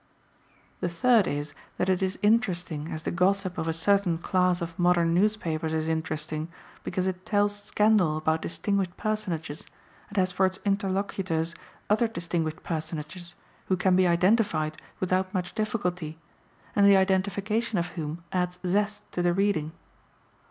The third is that it is interesting as the gossip of a certain class of modern newspapers is interesting, because it tells scandal about distinguished personages, and has for its interlocutors other distinguished personages, who can be identified without much difficulty, and the identification of whom adds zest to the reading.